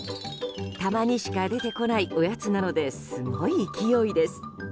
たまにしか出てこないおやつなのですごい勢いです。